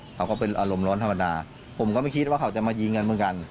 เขาก็เป็นอารมณ์ร้อนธรรมดาผมก็ไม่คิดว่าเขาจะมายิงกันเหมือนกัน